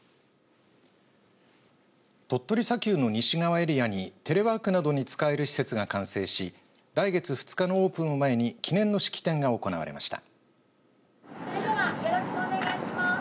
鳥取砂丘の西側エリアにテレワークなどに使える施設が完成し来月２日のオープンを前に記念の式典が行われました。